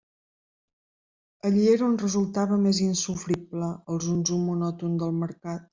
Allí era on resultava més insofrible el zum-zum monòton del Mercat.